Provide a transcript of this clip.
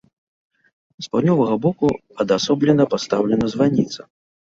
З паўднёвага боку адасоблена пастаўлена званіца.